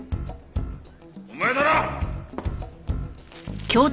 お前だな！？